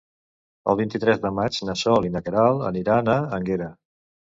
El vint-i-tres de maig na Sol i na Queralt aniran a Énguera.